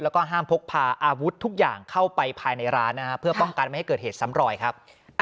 แล้วก็ห้ามพกพาอาวุธทุกอย่างเข้าไปภายในร้านนะครับเพื่อป้องกันไม่ให้เกิดเหตุซ้ำรอยครับ